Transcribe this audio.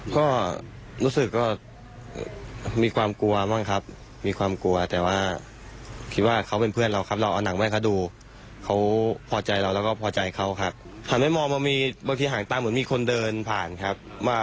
ก็รู้สึกก็มีความกลัวบ้างครับมีความกลัวแต่ว่าคิดว่าเขาเป็นเพื่อนเราครับเราเอานังแม่งเขาดูเขาพอใจเราแล้วก็พอใจเขาครับ